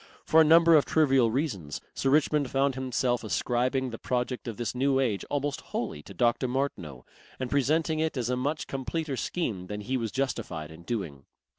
For a number of trivial reasons Sir Richmond found himself ascribing the project of this New Age almost wholly to Dr. Martineau, and presenting it as a much completer scheme than he was justified in doing.